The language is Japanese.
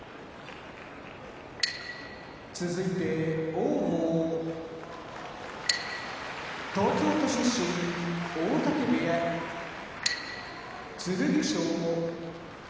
王鵬東京都出身大嶽部屋剣翔